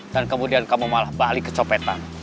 dan kemudian kamu malah balik kecopetan